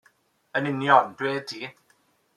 Yn union, dwed di.